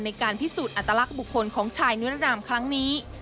ในการพิสูจน์อัตลักษณ์บุคคลของชายนิรนามครั้งนี้